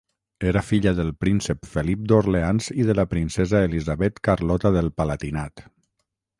Era filla del príncep Felip d'Orleans i de la princesa Elisabet Carlota del Palatinat.